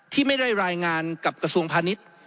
ที่ไม่ได้รายงานกับกระทรวงพาณิชย์